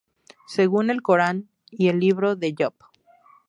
Según el Corán y el Libro de Job.